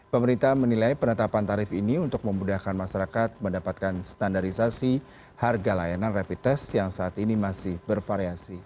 pemerintah menilai penetapan tarif ini untuk memudahkan masyarakat mendapatkan standarisasi harga layanan rapid test yang saat ini masih bervariasi